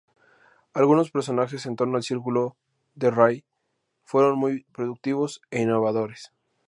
Algunos personajes en torno al círculo de Ray fueron muy productivos e innovadores.